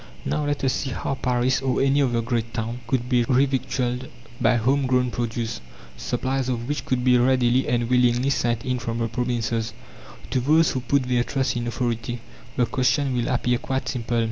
Now, let us see how Paris or any other great town could be revictualled by home grown produce, supplies of which could be readily and willingly sent in from the provinces. To those who put their trust in "authority" the question will appear quite simple.